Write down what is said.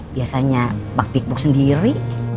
biasanya bak big book sendiri